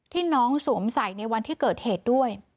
น้องสวมใส่ในวันที่เกิดเหตุด้วย